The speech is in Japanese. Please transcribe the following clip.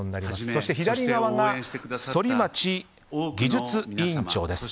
そして、左側が反町技術委員長です。